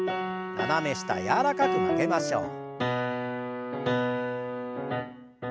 斜め下柔らかく曲げましょう。